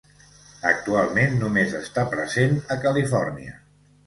Actualment només està present a Califòrnia.